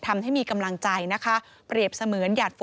มีกำลังใจนะคะ